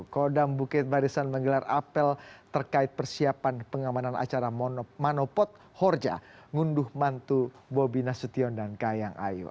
kodam bukit barisan menggelar apel terkait persiapan pengamanan acara manopot horja ngunduh mantu bobi nasution dan kayang ayu